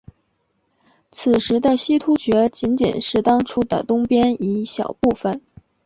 此时的西突厥仅仅是当初的东边一小部分。